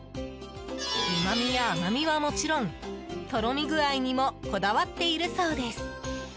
うまみや甘みはもちろんとろみ具合にもこだわっているそうです。